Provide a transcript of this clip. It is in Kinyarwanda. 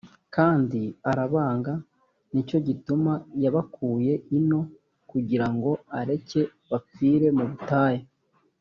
kandi arabanga: ni cyo gituma yabakuye ino kugira ngo areke bapfire mu butayu.’